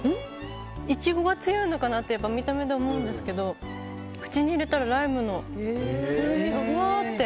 イチゴが強いのかなって見た目で思うんですけど口に入れたらライムの風味がふわーって。